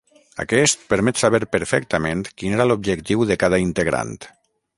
Aquest permet saber perfectament quin era l'objectiu de cada integrant.